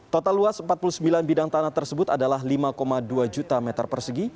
total luas empat puluh sembilan bidang tanah tersebut adalah lima dua juta meter persegi